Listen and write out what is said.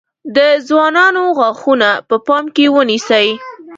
د ځوانانو غاښونه په پام کې ونیسئ.